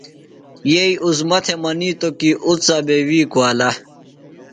یئ عظمیٰ تھےۡ منیتوۡ کی اُڅہ بےۡ وی کُوالہ۔